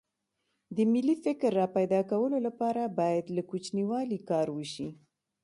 د ملي فکر راپیدا کولو لپاره باید له کوچنیوالي کار وشي